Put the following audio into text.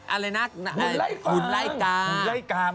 อันอะไรนะหุ่นไล้ฝัง